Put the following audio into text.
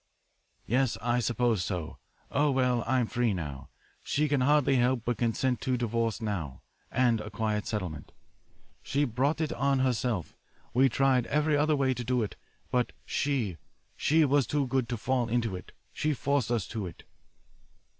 "'Yes, I suppose so. Oh, well, I'm free now. She can hardly help but consent to a divorce now, and a quiet settlement. She brought it on herself we tried every other way to do it, but she she was too good to fall into it. She forced us to it.'